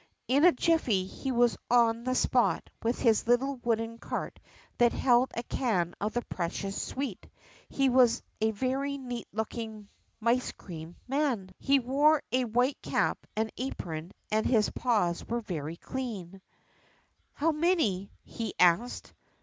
In a jiffy he was on the spot with his little wooden cart that held a can of the precious sweet. He was a very neat looking mice cream man. He wore a white cap and apron and his paws were very clean. "How many*?" he asked.